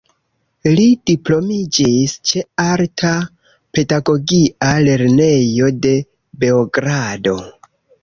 Li diplomitiĝis ĉe Alta Pedagogia Lernejo de Beogrado.